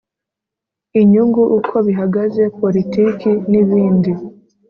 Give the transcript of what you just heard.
inyungu uko bihagaze politiki n ibindi